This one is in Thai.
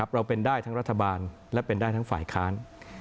เราเป็นได้ทั้งรัฐบาลและเป็นได้ทั้งฝ่ายค้าน